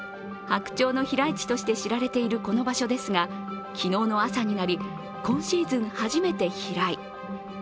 白鳥の飛来地として知られているこの場所ですが昨日の朝になり、今シーズン初めて飛来。